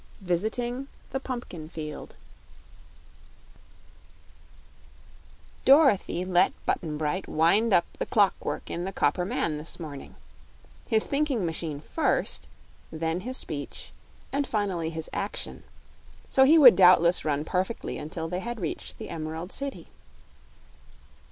Visiting the Pumpkin Field Dorothy let Button Bright wind up the clock work in the copper man this morning his thinking machine first, then his speech, and finally his action; so he would doubtless run perfectly until they had reached the Emerald City.